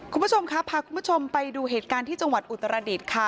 คุณผู้ชมครับพาคุณผู้ชมไปดูเหตุการณ์ที่จังหวัดอุตรดิษฐ์ค่ะ